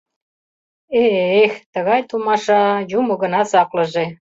Э-э-эх, тыгай томаша-а-а, юмо гына саклыже.